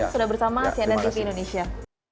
sudah bersama sian dan tv indonesia